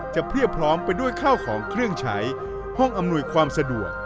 เรียบพร้อมไปด้วยข้าวของเครื่องใช้ห้องอำนวยความสะดวก